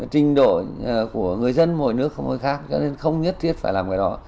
trình độ của người dân mỗi nước không có khác cho nên không nhất thiết phải làm cái đó